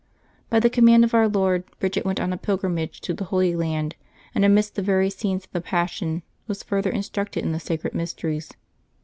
By the command of Our Lord, Bridget went on a pilgrimage to the Holy Land, and amidst the very scenes of the Passion was further in structed in the sacred mysteries.